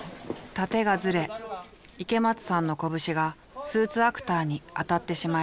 殺陣がずれ池松さんの拳がスーツアクターに当たってしまいました。